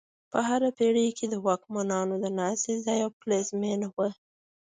په هره پېړۍ کې د واکمنانو د ناستې ځای او پلازمینه وه.